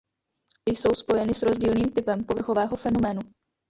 Jsou spojeny s rozdílným typem povrchového fenoménu.